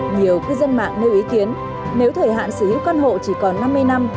nhiều cư dân mạng nêu ý kiến nếu thời hạn sở hữu căn hộ chỉ còn năm mươi năm